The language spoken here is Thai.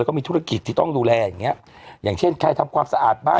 แล้วก็มีธุรกิจที่ต้องดูแลอย่างเงี้ยอย่างเช่นใครทำความสะอาดบ้าน